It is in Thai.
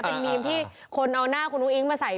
เป็นมีมที่คนเอาหน้าคุณอุ้งมาใส่